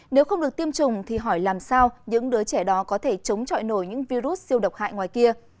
nếu không được tiêm chủng thì hỏi làm sao những đứa trẻ đó có thể chống trọi nổi những virus siêu độc hại ngoài kia